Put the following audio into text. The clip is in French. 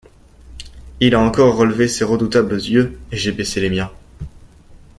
Il a encore relevé ses redoutables yeux, et j’ai baissé les miens.